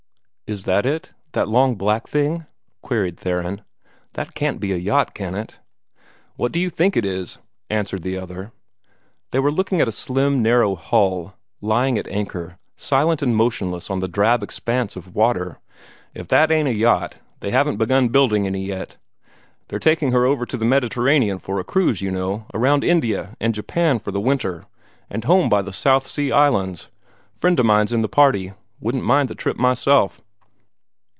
"Is that it that long black thing?" queried Theron. "That can't be a yacht, can it?" "What do you think it is?" answered the other. They were looking at a slim, narrow hull, lying at anchor, silent and motionless on the drab expanse of water. "If that ain't a yacht, they haven't begun building any yet. They're taking her over to the Mediterranean for a cruise, you know around India and Japan for the winter, and home by the South Sea islands. Friend o' mine's in the party. Wouldn't mind the trip myself."